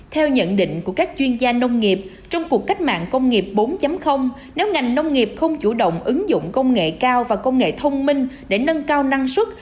theo nhận định của các chuyên gia nông nghiệp trong cuộc cách mạng công nghiệp bốn nếu ngành nông nghiệp không chủ động ứng dụng công nghệ cao và công nghệ thông minh để nâng cao năng suất